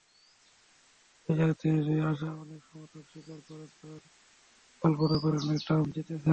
বিজয়োৎসবে আসা অনেক সমর্থক স্বীকার করেন, তাঁরাও কল্পনা করেননি ট্রাম্প জিতবেন।